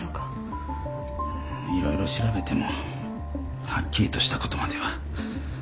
色々調べてもはっきりとしたことまでは。